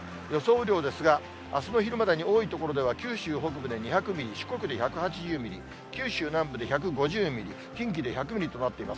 雨量ですが、あすの昼までに多い所では九州北部で２００ミリ、四国で１８０ミリ、九州南部で１５０ミリ、近畿で１００ミリとなっています。